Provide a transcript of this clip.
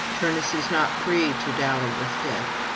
Turnus is not free to dally with death.